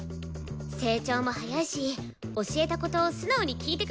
成長も早いし教えたこと素直に聞いてくれるしね。